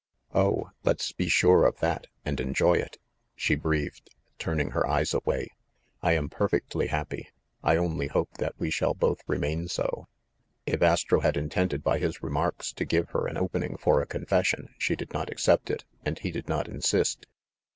"Oh, let's be sure of that, and enjoy it!" she breathed, turning her eyes away. "I am perfectly happy ! I only hope that we both shall remain so !" If Astro had intended by his remarks to give her an opening for a confession, she did not accept it, and he did not insist.